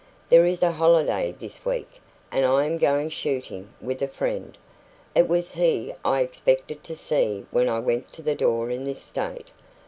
There is a holiday this week, and I am going shooting with a friend. It was he I expected to see when I went to the door in this state."